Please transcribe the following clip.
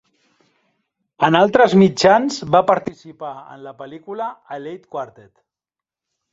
En altres mitjans, va participar en la pel·lícula "A Late Quartet".